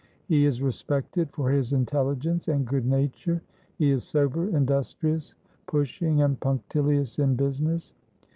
He is respected for his intelligence and good nature; he is sober, industrious, pushing and punctilious in business.